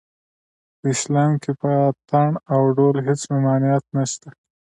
په اسلام کې په اټن او ډول هېڅ ممانعت نشته